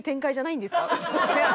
違う。